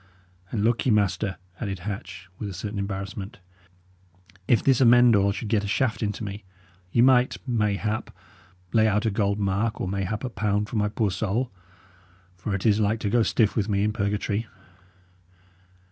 "And, look ye, master," added Hatch, with a certain embarrassment, "if this Amend All should get a shaft into me, ye might, mayhap, lay out a gold mark or mayhap a pound for my poor soul; for it is like to go stiff with me in purgatory."